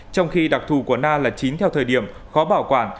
trong khi đặc thù của na là chín theo thời điểm khó bảo quản